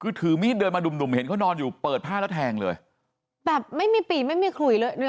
คือถือมีดเดินมาหนุ่มหนุ่มเห็นเขานอนอยู่เปิดผ้าแล้วแทงเลยแบบไม่มีปีไม่มีขุยเลย